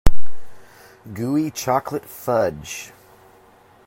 Gooey chocolate fudge.